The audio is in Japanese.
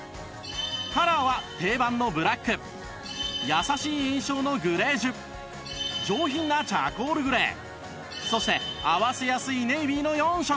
カラーは定番のブラック優しい印象のグレージュ上品なチャコールグレーそして合わせやすいネイビーの４色